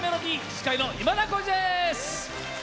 司会の今田耕司です。